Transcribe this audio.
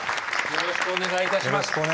よろしくお願いします。